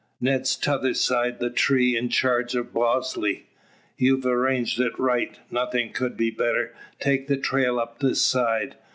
Ned's tother side the tree in charge o' Bosley." "You've arranged it right. Nothing could be better. Take the trail up this side.